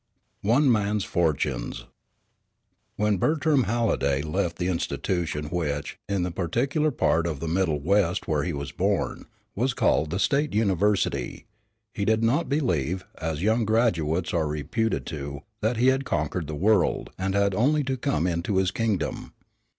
ONE MAN'S FORTUNES Part I When Bertram Halliday left the institution which, in the particular part of the middle west where he was born, was called the state university, he did not believe, as young graduates are reputed to, that he had conquered the world and had only to come into his kingdom.